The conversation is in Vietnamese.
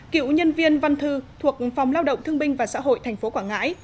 cựu nhân viên văn thư thuộc phòng lao động thương binh và xã hội thành phố quảng ngãi